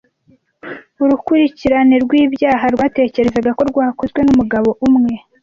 Urukurikirane rw'ibyaha rwatekerezaga ko rwakozwe n'umugabo umwe.